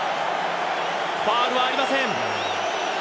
ファウルはありません。